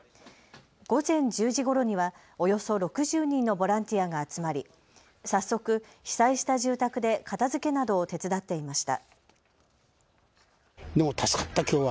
午前１０時ごろには、およそ６０人のボランティアが集まり早速、被災した住宅で片づけなどを手伝っていました。